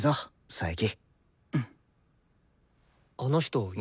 佐伯？